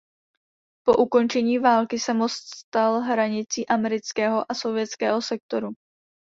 Po ukončení války se most stal hranicí amerického a sovětského sektoru.